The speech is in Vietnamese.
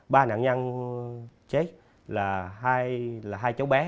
ba nạn nhân chết là hai cháu bé